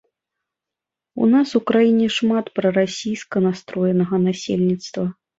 У нас у краіне шмат прарасійска настроенага насельніцтва.